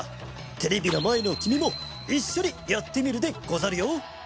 テレビのまえのきみもいっしょにやってみるでござるよ。